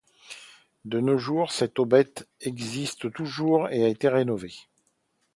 De nos jours, cette aubette existe toujours et a été rénovée.